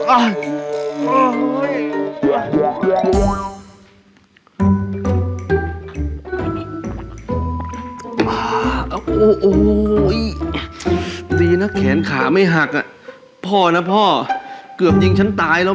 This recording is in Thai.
อ๊าโหอีอิบมึงมันแขนขาไม่หักอ่ะพ่อนะพ่อเกือบยิงฉันตายแล้ว